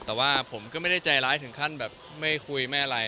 แต่ว่าผมก็ไม่ได้ใจร้ายถึงขั้นแบบไม่คุยไม่อะไร